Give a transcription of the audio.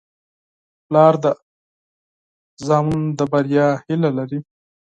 پلار د اولاد د بریا هیله لري.